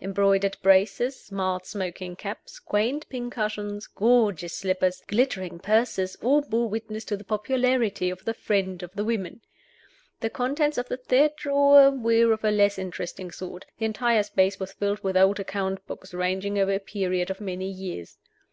Embroidered braces, smart smoking caps, quaint pincushions, gorgeous slippers, glittering purses, all bore witness to the popularity of the friend of the women. The contents of the third drawer were of a less interesting sort: the entire space was filled with old account books, ranging over a period of many years.